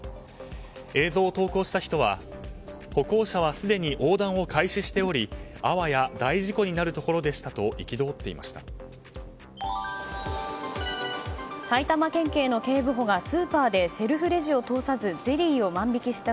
映像を投稿した人は歩行者はすでに横断を開始しており、あわや大事故になるところでしたと憤っていました。